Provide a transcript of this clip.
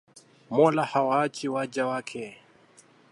Mola hawaachi waja wake